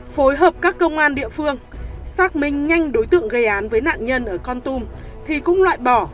phối hợp các công an địa phương xác minh nhanh đối tượng gây án với nạn nhân ở con tum thì cũng loại bỏ